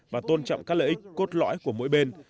và tôn trọng các lợi ích cốt lõi của mỗi bên